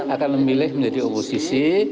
akan memilih menjadi oposisi